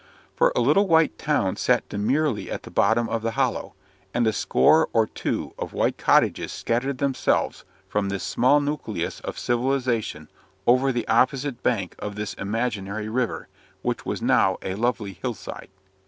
For a little white town sat demurely at the bottom of the hollow, and a score or two of white cottages scattered themselves from this small nucleus of civilisation over the opposite bank of this imaginary river, which was now a lovely hill side.